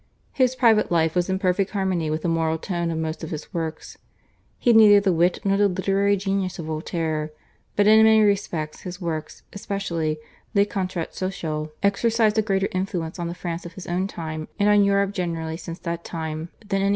His private life was in perfect harmony with the moral tone of most of his works. He had neither the wit nor the literary genius of Voltaire, but in many respects his works, especially /Le Contrat Social/, exercised a greater influence on the France of his own time and on Europe generally since that time than any other writings of the eighteenth century.